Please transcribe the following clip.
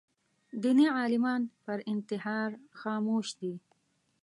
دیني عالمان پر انتحار خاموش دي